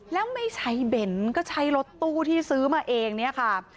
แล้วไม่ใช้เบนก็ใช้รถตู้ที่ซื้อมาเองเนี่ยค่ะ